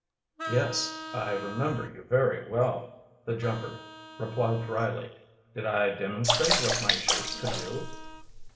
"Yes, I remember you very well," the jumper replied dryly. "Did I demonstrate what my 'chute could do?"